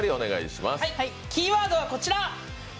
キーワードはこちら！